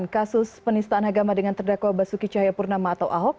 kasus penistaan agama dengan terdakwa basuki cahaya purnama atau ahop